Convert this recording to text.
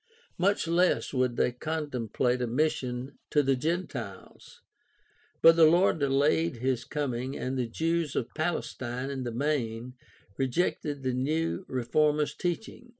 Much less would they contemplate a mission to the Gentiles. But the Lord delayed his coming and the Jews of Palestine in the main rejected the new reformers' teaching.